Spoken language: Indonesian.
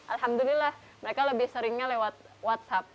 alhamdulillah mereka lebih seringnya lewat whatsapp